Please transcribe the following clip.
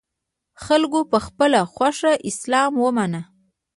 خلکو په خپله خوښه اسلام ومانه